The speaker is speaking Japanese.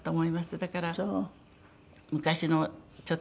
だから昔のちょっと日記